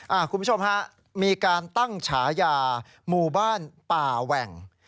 คุณผู้ชมฮะมีการตั้งฉายาหมู่บ้านป่าแหว่ง